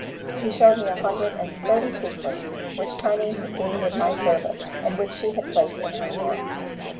She shewed me a hundred and thirty sequins which Tonine had gained in my service, and which she had placed in her hands.